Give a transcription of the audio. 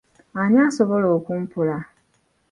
Ani asobola okumpola?